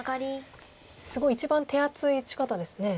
すごい一番手厚い打ち方ですね。